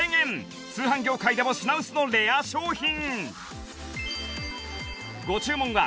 通販業界でも品薄のレア商品